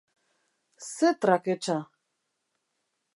Ze traketsa!